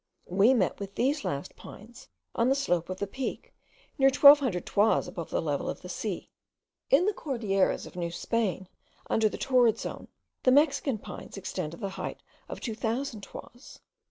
We met with these last pines on the slope of the Peak, near twelve hundred toises above the level of the sea. In the Cordilleras of New Spain, under the torrid zone, the Mexican pines extend to the height of two thousand toises.